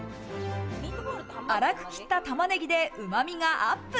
粗く切った玉ねぎでうまみがアップ。